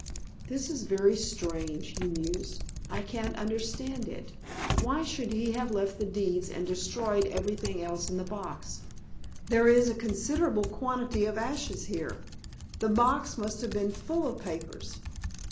"This is very strange," he mused; "I can't understand it. Why should he have left the deeds and destroyed everything else in the box? There is a considerable quantity of ashes here. The box must have been full of papers.